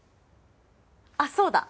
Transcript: あっそうだ！